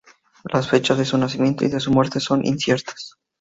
Las fechas de su nacimiento y de su muerte son inciertas.